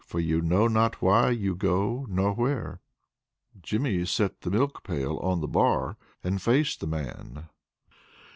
for you know not why you go nor where." Jimmy set the milk pail on the bar and faced the man.